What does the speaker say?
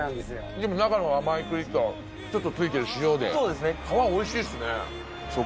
でも中の甘い栗とちょっとついてる塩で皮おいしいっすね